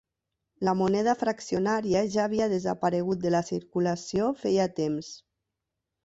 La moneda fraccionària ja havia desaparegut de la circulació feia temps.